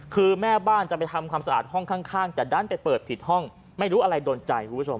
คือแม่บ้านจะไปทำความสะอาดห้องข้างแต่ดันไปเปิดผิดห้องไม่รู้อะไรโดนใจคุณผู้ชม